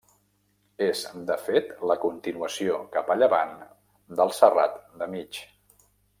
És, de fet, la continuació cap a llevant del Serrat de Mig.